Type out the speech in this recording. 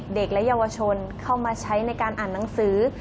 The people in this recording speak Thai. เด็กและเยาวชนเข้ามาใช้ในการอ่านหนังสือ